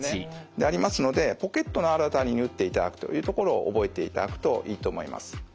でありますのでポケットのある辺りに打っていただくというところを覚えていただくといいと思います。